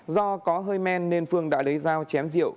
do có hơi men nên phương đã lấy dao chém rượu